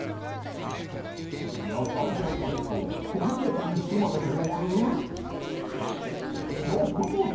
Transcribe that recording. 野菜や海藻こんにゃくにふくまれておる食物